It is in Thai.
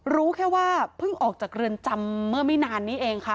รู้แค่ว่าเพิ่งออกจากเรือนจำเมื่อไม่นานนี้เองค่ะ